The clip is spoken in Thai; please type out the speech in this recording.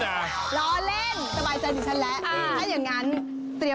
ตาภาพแดงฝาคันสูงส่องเยอะแยะขนาดนี้